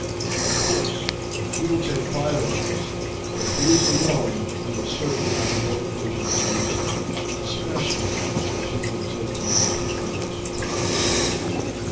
Of course, you will take firearms, but if he is alone you will certainly have no occasion to use them, especially as you will take him completely by surprise.